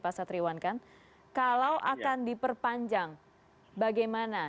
pasat riwan kan kalau akan diperpanjang bagaimana